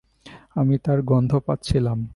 আমি তার গন্ধ পাচ্ছিলাম।